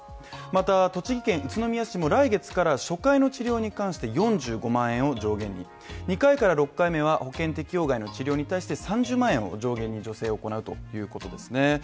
また、栃木県宇都宮市も来月から初回の治療に関して４５万円を上限に２回から６回目は保険適用外の治療に対して３０万円を上限に助成を行うということですね